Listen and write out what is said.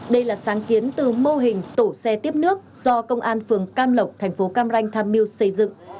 đây là sáng kiến từ mô hình tổ xe tiếp nước do công an phường cam lộc thành phố cam ranh tham mưu xây dựng